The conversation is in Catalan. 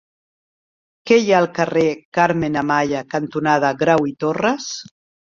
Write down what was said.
Què hi ha al carrer Carmen Amaya cantonada Grau i Torras?